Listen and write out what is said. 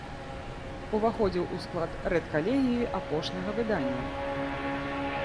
Уваходзіў у склад рэдкалегіі апошняга выдання.